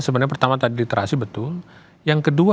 sebenarnya pertama tadi literasi betul yang kedua